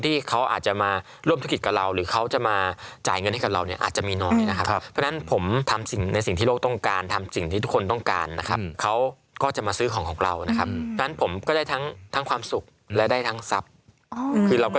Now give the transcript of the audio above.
ทั้งหมดคือขึ้นอยู่กับความสุขแหละทีหลังว่ามีคนหนังเรารัก